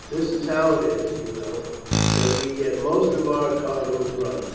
"That is how it is, you know, that we get most of our cargoes run.